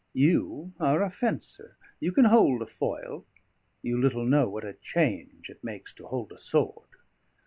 You are a fencer, you can hold a foil; you little know what a change it makes to hold a sword!